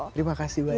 terima kasih banyak